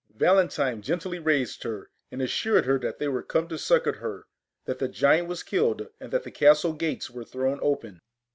Valentine gently raised her, and assured her that they were come to succour her, that the giant was killed, and that the castle gates were thrown open.